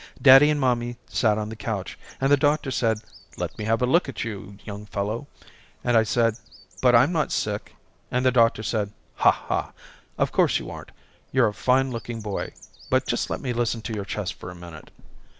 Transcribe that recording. Daddy and mommy sat on the couch and the doctor said let me have a look at you young fellow and I said but I'm not sick and the doctor said ha ha, of course you aren't, you're a fine looking boy but just let me listen to your chest for a minute.